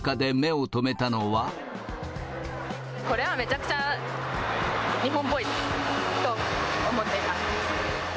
これはめちゃくちゃ日本っぽいと思っています。